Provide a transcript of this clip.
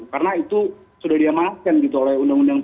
karena itu sudah diamalkan oleh undang undang p tiga